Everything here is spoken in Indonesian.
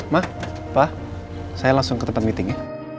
ma pa saya langsung ke tempat meeting ya